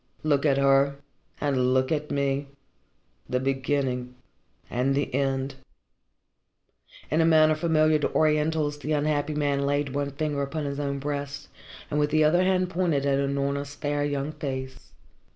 Look at her, and look at me the beginning and the end." In a manner familiar to Orientals the unhappy man laid one finger upon his own breast, and with the other hand pointed at Unorna's fair young face.